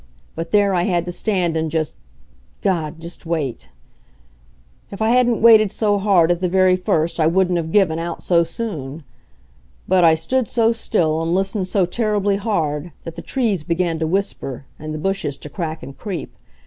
But there I had to stand and just God! just wait. If I hadn't waited so hard at the very first I wouldn't 'a' given out so soon. But I stood so still and listened so terribly hard that the trees began to whisper and the bushes to crack and creep.